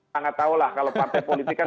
sangat tahu lah kalau partai politik kan